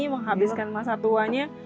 menghabiskan masa tuanya